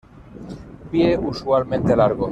Pie usualmente largo.